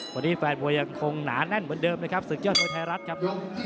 วันนี้แฟนมวยยังคงหนาแน่นเหมือนเดิมนะครับศึกยอดมวยไทยรัฐครับ